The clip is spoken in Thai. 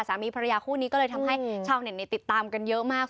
สามีภรรยาคู่นี้ก็เลยทำให้ชาวเน็ตติดตามกันเยอะมาก